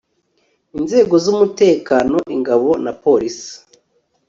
inzego z umutekano ingabo na police